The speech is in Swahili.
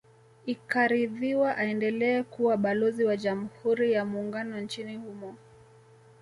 Ikaridhiwa aendelee kuwa Balozi wa Jamhuri ya Muungano nchini humo